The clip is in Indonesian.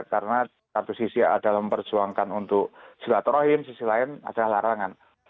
karena satu sisi adalah memperjuangkan untuk silaturahim sisi lain ada larangan